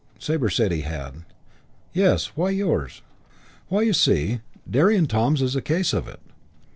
Sabre said he had. "Yes, why yours?" "Why, you see, Derry and Toms is a case of it."